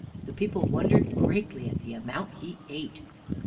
The people wondered greatly at the amount that he ate.